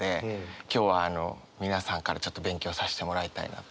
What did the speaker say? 今日は皆さんからちょっと勉強させてもらいたいなと。